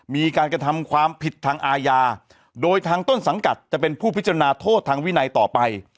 มีการกระทำความผิดทางอาญาโดยทางต้นสังกัดจะเป็นผู้พิจารณาโทษทางวินัยต่อไป